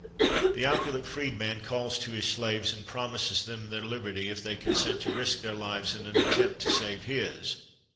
The opulent freed man calls to his slaves, and promises them their liberty if they consent to risk their lives in an attempt to save his.